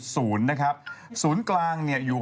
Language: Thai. สนับสนุนโดยดีที่สุดคือการให้ไม่สิ้นสุด